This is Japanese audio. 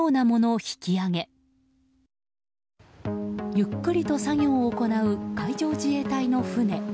ゆっくりと作業を行う海上自衛隊の船。